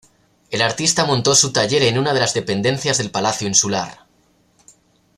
El artista montó su taller en unas de las dependencias del palacio insular.